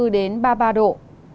hai mươi bốn đến ba mươi ba độ